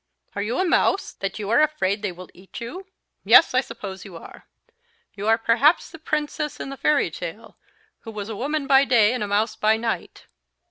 Are you a mouse, that you are afraid they will eat you? Yes, I suppose you are. You are perhaps the princess in the fairy tale, who was a woman by day and a mouse by night.